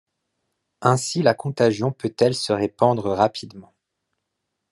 Ainsi la contagion peut-elle se répandre rapidement.